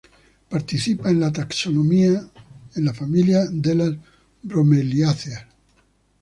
Participa en la taxonomía en la familia de las bromeliáceas.